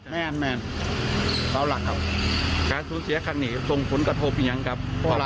ไม่มีเสาหลักมันก็อยู่อย่างนี้ครับ